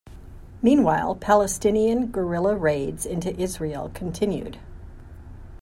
Meanwhile, Palestinian guerilla raids into Israel continued.